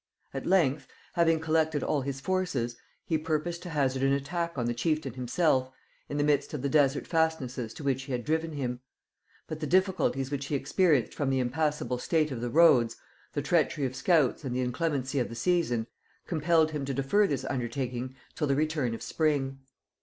At length, having collected all his forces, he purposed to hazard an attack on the chieftain himself, in the midst of the desert fastnesses to which he had driven him; but the difficulties which he experienced from the impassable state of the roads, the treachery of scouts and the inclemency of the season, compelled him to defer this undertaking till the return of spring.